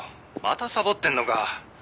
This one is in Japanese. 「またサボってんのか」